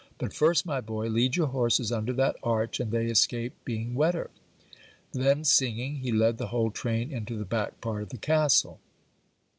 But first, my boy, lead your horses under that arch, and they escape being wetter.' Then singing, he led the whole train into the back part of the castle.